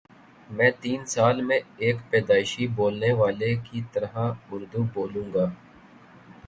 میں تین سال میں ایک پیدائشی بولنے والے کی طرح اردو بولوں گا